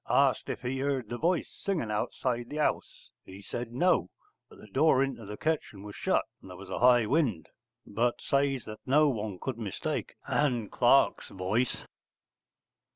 Asked if he heard the voice singing outside the house, he said 'No,' but the door into the kitchen was shut, and there was a high wind: but says that no one could mistake Ann Clark's voice.